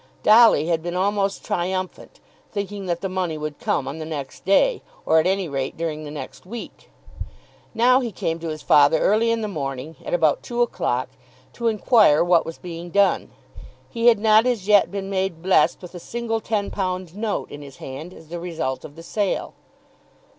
Dolly had been almost triumphant, thinking that the money would come on the next day, or at any rate during the next week. Now he came to his father early in the morning, at about two o'clock, to enquire what was being done. He had not as yet been made blessed with a single ten pound note in his hand, as the result of the sale.